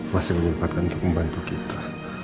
masih menyempatkan untuk membantu kita